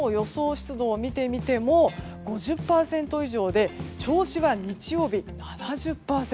湿度を見てみても５０％以上で銚子は日曜日は７０％。